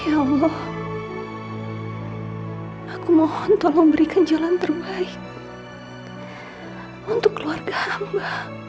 ya allah aku mohon tolong memberikan jalan terbaik untuk keluarga hamba